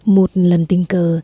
một lần tình cờ